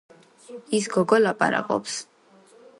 ის გოგო ლაპარაკობს.